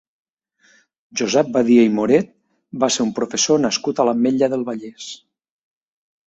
Josep Badia i Moret va ser un professor nascut a l'Ametlla del Vallès.